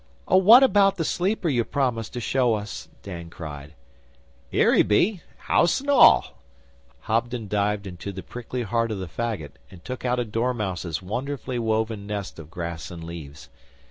'Oh, what about the sleeper you promised to show us?' Dan cried. ''Ere he be house an' all!' Hobden dived into the prickly heart of the faggot and took out a dormouse's wonderfully woven nest of grass and leaves.